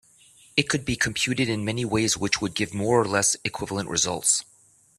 It could be computed in many ways which would give more or less equivalent results.